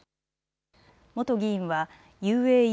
元議員はＵＡＥ